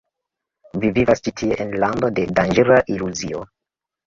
Vi vivas ĉi tie en lando de danĝera iluzio.